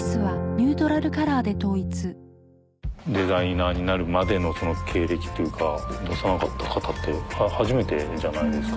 デザイナーになるまでの経歴というか出さなかった方って初めてじゃないですか？